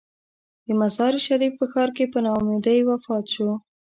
د مزار شریف په ښار کې په نا امیدۍ وفات شو.